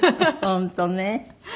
本当ね。